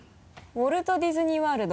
「ウォルト・ディズニー・ワールド」！